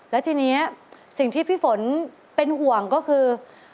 แล้วทีนี้สิ่งที่พี่ฝนเป็นห่วงก็คือ